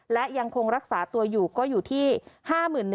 และยังคงรักษาตัวอยู่ก็อยู่ที่๕๑๐๐